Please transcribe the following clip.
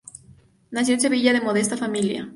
Nació en Sevilla de modesta familia.